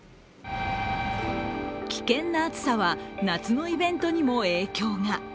危険な暑さは夏のイベントにも影響が。